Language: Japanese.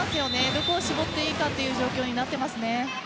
どこに絞っていいかという状況になってますね。